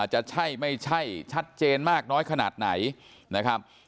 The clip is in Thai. จะใช่ไม่ใช่ชัดเจนมากน้อยขนาดไหนนะครับ